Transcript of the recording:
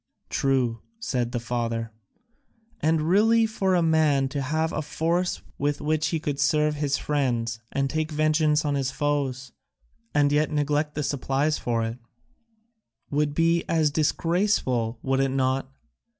"True," said the father, "and really for a man to have a force with which he could serve his friends and take vengeance on his foes, and yet neglect the supplies for it, would be as disgraceful, would it not?